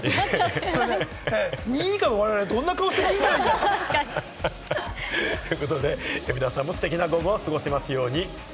２位以下の我々はどんな顔をしたらいいのか。ということで、皆さんもステキな午後を過ごせますように。